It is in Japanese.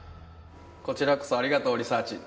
こちらこそありがとうリサーちん